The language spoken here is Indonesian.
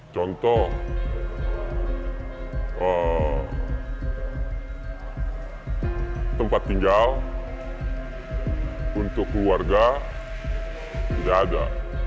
contoh tempat tinggal untuk keluarga tidak ada